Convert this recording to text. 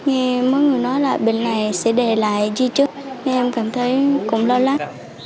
nghe mọi người nói là bệnh này sẽ để lại di chứng em cảm thấy cũng lo lắng